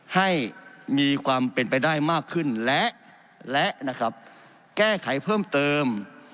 ให้มีความเป็นไปได้มากขึ้นและนะครับแก้ไขเพิ่มเติม